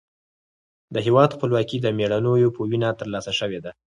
د هېواد خپلواکي د مېړنیو په وینه ترلاسه شوې ده.